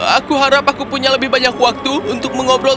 aku harap aku punya lebih banyak waktu untuk mengobrol